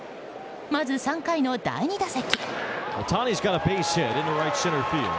まず３回の第２打席。